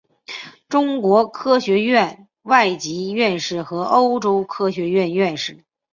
中国科学院外籍院士和欧洲科学院院士。